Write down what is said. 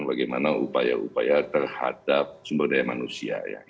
bagaimana upaya upaya terhadap sumber daya manusia